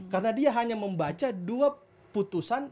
karena dia hanya membaca dua putusan